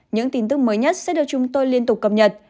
những tin tức mới nhất sẽ được chúng tôi liên tục cập nhật